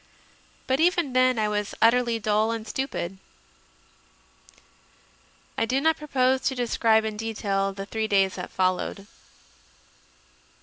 But even then I was utterly dull and stupid. I do not propose to describe in detail the three days that followed.